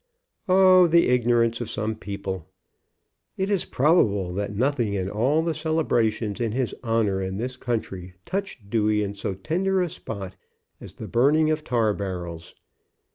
Oh, the ignor ance of some people ! It is probable that nothing in all the celebrations in his honor in this country touched Dewey in so tender a spot as the burning of tar barrels.